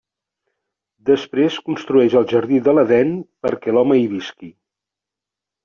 Després construeix el Jardí de l'Edèn perquè l'home hi visqui.